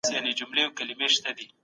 سیاستوال کله نړیوالي شخړي پای ته رسوي؟